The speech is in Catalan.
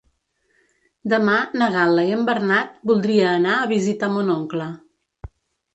Demà na Gal·la i en Bernat voldria anar a visitar mon oncle.